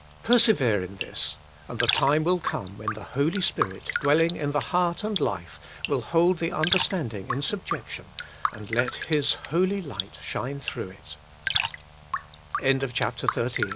Persevere in this, and the time will come when the Holy Spirit, dwelling in the heart and life, will hold the understanding in subjection, and let His holy light shine throu